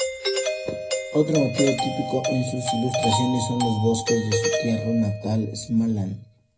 Otro motivo típico en sus ilustraciones son los bosques de su tierra natal, Småland.